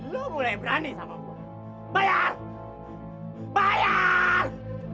lu mulai berani sama gue bayar bayar